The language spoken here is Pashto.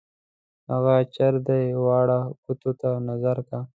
هغه چر دی واړه ګوتو ته نظر کا.